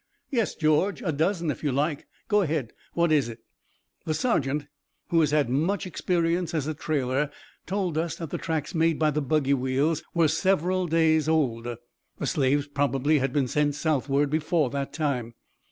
"Yes, George, a dozen if you like. Go ahead. What is it?" "The sergeant, who has had much experience as a trailer, told us that the tracks made by the buggy wheels were several days old. The slaves probably had been sent southward before that time.